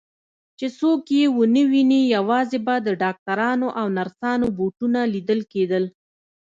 چې څوک یې ونه ویني، یوازې به د ډاکټرانو او نرسانو بوټونه لیدل کېدل.